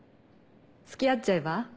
付き合っちゃえば？